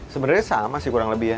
sebenarnya sama sih kurang lebih ya